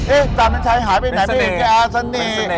เอ๊ะจานเป็นชายหายไปไหนไม่เห็นแค่อาศนีย์